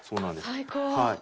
最高。